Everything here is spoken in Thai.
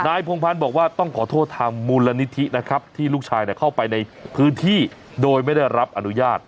พงพันธ์บอกว่าต้องขอโทษทางมูลนิธินะครับที่ลูกชายเข้าไปในพื้นที่โดยไม่ได้รับอนุญาต